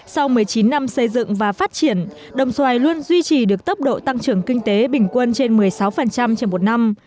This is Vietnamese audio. sau một mươi chín năm xây dựng và phát triển đồng xoài luôn duy trì được tốc độ tăng trưởng kinh tế bình quân trên một mươi sáu trên một năm